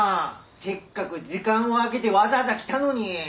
せっかく時間を空けてわざわざ来たのに。